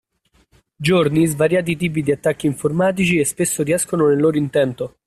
Giorni svariati tipi di attacchi informatici e spesso riescono nel loro intento.